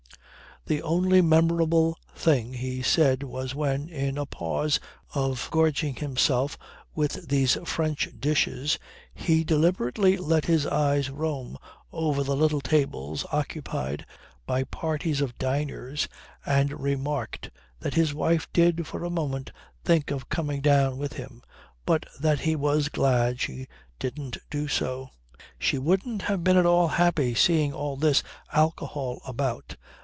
The only memorable thing he said was when, in a pause of gorging himself "with these French dishes" he deliberately let his eyes roam over the little tables occupied by parties of diners, and remarked that his wife did for a moment think of coming down with him, but that he was glad she didn't do so. "She wouldn't have been at all happy seeing all this alcohol about.